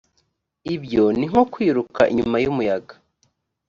ibyo ni nko kwiruka inyuma y’umuyaga